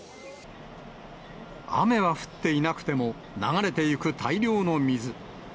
雨は降っていなくても、流れていく大量の水。